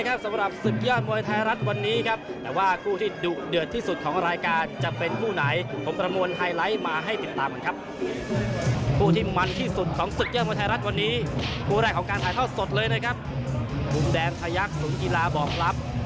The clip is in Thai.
กุมแดงทายักษ์สุนกีฬาบ่อกลับ